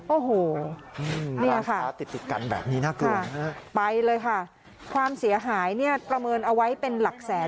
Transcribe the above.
โอ้โหนี่ค่ะไปเลยค่ะความเสียหายเนี่ยประเมินเอาไว้เป็นหลักแสน